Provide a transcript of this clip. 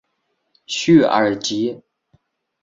叙尔吉。